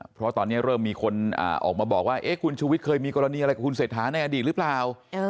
เพราะตอนนี้เริ่มมีคนออกมาบอกว่าคุณชูวิทย์เคยมีกรณีอะไรกับคุณเศรษฐาในอดีตหรือเปล่า